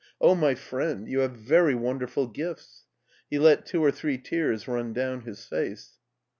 Oh, my friend ! you have very wonderful gifts." He let two or three tears run down his face.